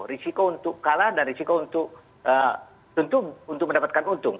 risiko untuk kalah dan risiko untuk mendapatkan untung